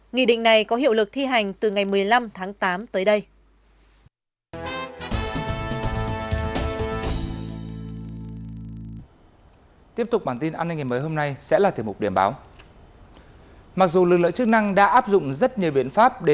nghị định này có hiệu lực thi hành từ ngày một mươi năm tháng tám tới đây